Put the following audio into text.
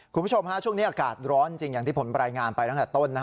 คุณผู้ชมช่วงนี้อากาศร้อนจริงอย่างที่ผมรายงานไปตั้งแต่ต้น